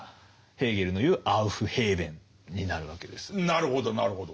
なるほどなるほど。